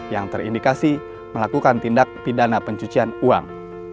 yang terindikasi melakukan tindak pidana pencucian uang